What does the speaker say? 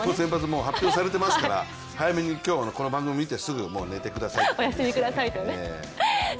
もう発表されていますから早めに、この番組を見たらすぐ、もう寝てくださいということでね。